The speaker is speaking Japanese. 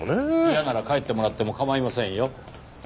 嫌なら帰ってもらっても構いませんよ。